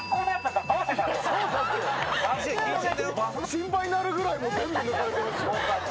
心配になるぐらい全部抜かれてました。